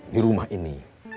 di rumah ini